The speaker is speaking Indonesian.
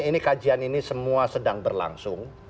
ini kajian ini semua sedang berlangsung